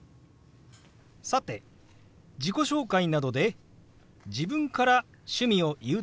さて自己紹介などで自分から趣味を言う時もありますよね。